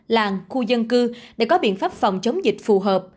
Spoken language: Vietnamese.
làng khu dân cư để có biện pháp phòng chống dịch